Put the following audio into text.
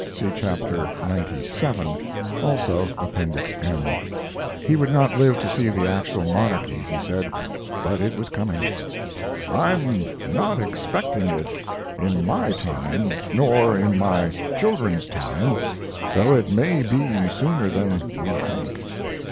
[See chap. xcvii; also Appendix M.] He would not live to see the actual monarchy, he said, but it was coming. "I'm not expecting it in my time nor in my children's time, though it may be sooner than we think.